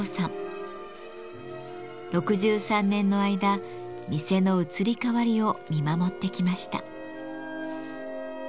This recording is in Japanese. ６３年の間店の移り変わりを見守ってきました。